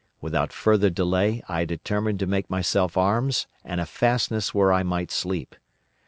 Without further delay I determined to make myself arms and a fastness where I might sleep.